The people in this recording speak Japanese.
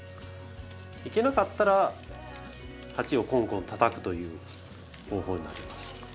いけなかったら鉢をコンコンたたくという方法になります。